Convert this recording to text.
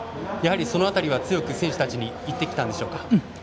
やはりその辺りは強く選手たちに言ってきたんでしょうか。